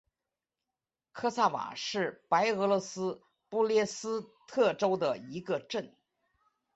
科萨瓦是白俄罗斯布列斯特州的一个镇。